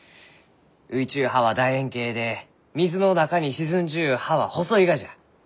浮いちゅう葉は楕円形で水の中に沈んじゅう葉は細いがじゃ。